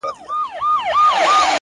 عاجزي د لویو زړونو ځانګړنه ده!